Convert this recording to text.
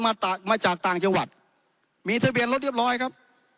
มาจากมาจากต่างจังหวัดมีทะเบียนรถเรียบร้อยครับ